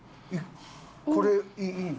これいいの？